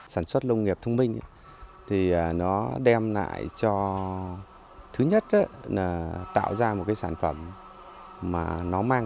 sản xuất nông nghiệp thông minh thì nó đem lại cho thứ nhất là tạo ra một cái sản phẩm mà nó mang